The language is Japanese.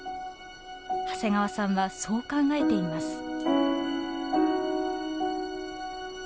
長谷川さんはそう考えています。